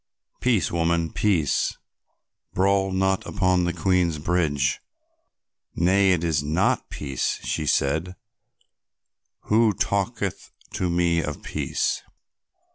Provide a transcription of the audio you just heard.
"Peace, woman, peace, brawl not upon the Queen's highway." "Nay, it is not peace," she said; "who talketh to me of peace?"